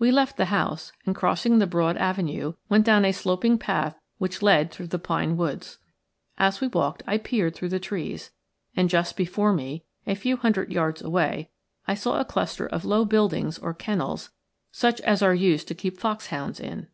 We left the house and, crossing the broad avenue, went down a sloping path which led through the pine woods. As we walked I peered through the trees, and just before me, a few hundred yards away, I saw a cluster of low buildings or kennels such as are used to keep foxhounds in.